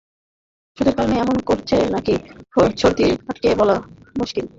ওষুধের কারণে এমন করছে নাকি ফন্দি আঁটছে বলা মুশকিল।